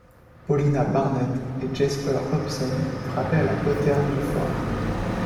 Paulina Barnett et Jasper Hobson frappaient à la poterne du fort.